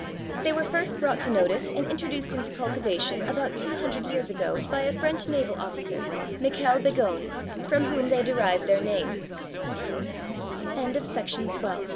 They were first brought to notice and introduced into cultivation about two hundred years ago by a French naval officer, Michel Begon, from whom they derived their name. GLOXINIA.